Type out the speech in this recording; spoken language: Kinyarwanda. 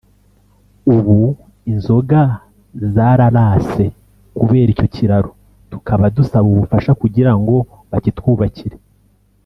ubu inzoga zararase kubera icyo kiraro tukaba dusaba ubufasha kugirango bakitwubakire